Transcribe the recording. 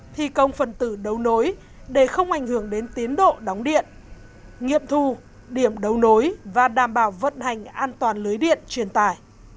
thi công phần tử đấu nối để không ảnh hưởng đến tiến độ đóng điện nghiệm thu điểm đấu nối và đảm bảo vận hành an toàn lưới điện truyền tải